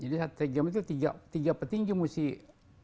jadi satu ronde kan tiga menit jadi tiga petinggi musik